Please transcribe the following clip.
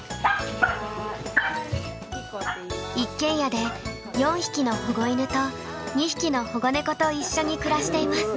一軒家で４匹の保護犬と２匹の保護猫と一緒に暮らしています。